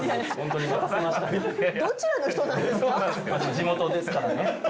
地元ですからね。